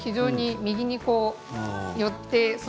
右に寄って。